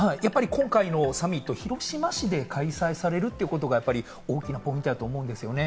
今回のサミット、広島市で開催されるということが大きなポイントだと思うんですよね。